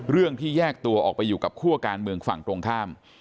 เรื่องที่แยกตัวออกไปอยู่กับคั่วการเมืองฝั่งตรงข้าม